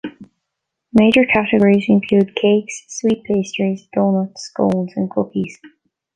Major categories include cakes, sweet pastries, doughnuts, scones, and cookies.